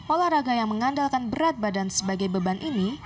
olahraga yang mengandalkan berat badan sebagai beban ini